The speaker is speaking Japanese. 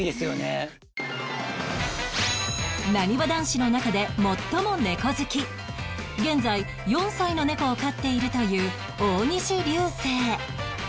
なにわ男子の中で最も猫好き現在４歳の猫を飼っているという大西流星